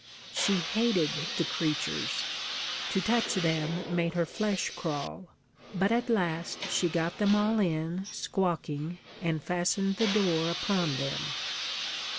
She hated the creatures; to touch them made her flesh crawl; but at last she got them all in, squawking, and fastened the door upon them.